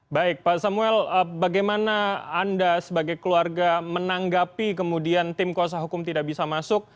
baik pak samuel bagaimana anda sebagai keluarga menanggapi kemudian tim kuasa hukum tidak bisa masuk